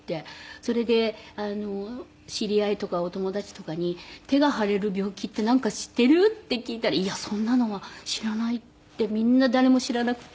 それで知り合いとかお友達とかに「手が腫れる病気ってなんか知っている？」って聞いたら「いやそんなのは知らない」ってみんな誰も知らなくて。